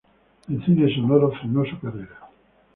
El cine sonoro frenó su carrera.